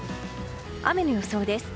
雨の予想です。